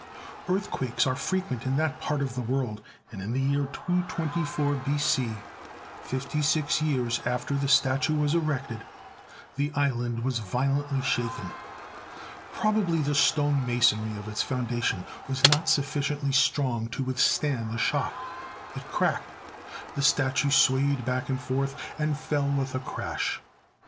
Earthquakes are frequent in that part of the world, and in the year 224 B.C., fifty six years after the statue was erected, the island was vio lently shaken. Probably the stone masonry of its foundation was not sufficiently strong to withstand the shock. It cracked ; the statue swayed back and forth, and fell with a crash.